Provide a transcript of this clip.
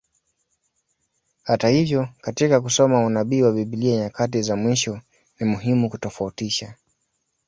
Hata hivyo, katika kusoma unabii wa Biblia nyakati za mwisho, ni muhimu kutofautisha.